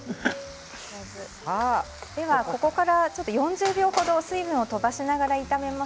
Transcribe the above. ここから４０秒程水分を飛ばしながら炒めます。